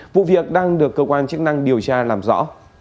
vụ việc đang được cơ quan chức năng điều tra làm rõ